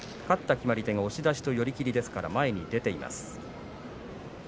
勝った決まり手が押し出しと寄り切りですから前に出ています。